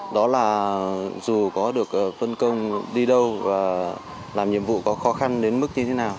đó là dù có được phân công đi đâu và làm nhiệm vụ có khó khăn đến mức như thế nào